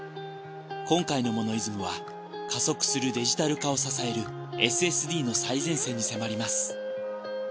今回の『モノイズム』は加速するデジタル化を支えるＳＳＤの最前線に迫ります。